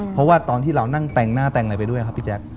เพราะว่าตอนที่เรานั่งแต่งหน้าแต่งอะไรไปด้วยครับพี่แจ๊ค